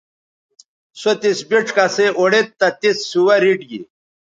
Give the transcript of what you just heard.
سو تس بِڇ کسئ اوڑید تہ تس سوہ ریٹ گی